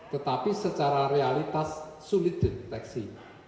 tetapi secara realitas sulit di deteksi